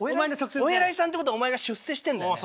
お偉いさんってことはお前が出世してんだよね。